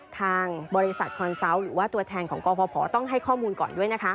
ทางบริษัทคอนเซาต์หรือว่าตัวแทนของกรพต้องให้ข้อมูลก่อนด้วยนะคะ